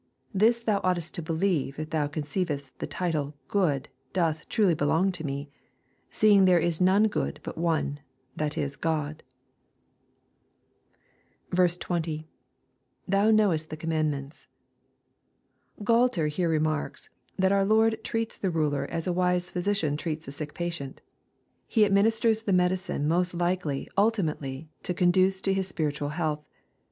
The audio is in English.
This thou oughtest to believe if thou conceivest the titl© ' good* doth truly belong to me, seeing there is none good but one, that is Grod.*' tO.^Thou lenowest the comrmndments.l Gualter here remarks, that our Lord treats the ruler as a wise physician treats a sick patient. He administers the medicine most likely ultimately to conduce to his spiritual health.